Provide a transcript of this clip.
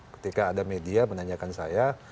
ketika ada media menanyakan saya